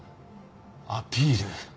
アピール？